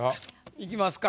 いきますか。